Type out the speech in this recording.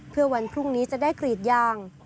เพื่อวันพรุ่งนี้จะได้กรีดยาง